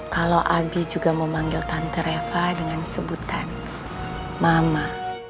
kalau abi juga mau manggil tante reva dengan sebutan mama